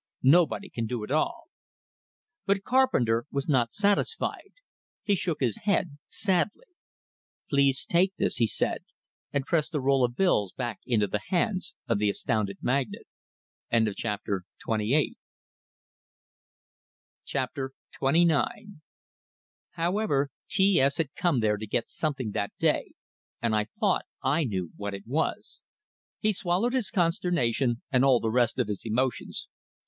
Nobody can do it all." But Carpenter was not satisfied; he shook his head, sadly. "Please take this," he said, and pressed the roll of bills back into the hands of the astounded magnate! XXIX However, T S had come there to get something that day, and I thought I knew what it was. He swallowed his consternation, and all the rest of his emotions.